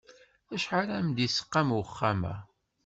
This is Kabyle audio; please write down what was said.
Acḥal ara m-d-isqam uxxam-a?